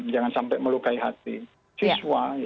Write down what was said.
jangan sampai melukai hati siswa